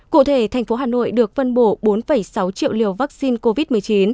cụ thể thành phố hà nội được phân bổ bốn sáu triệu liều vaccine covid một mươi chín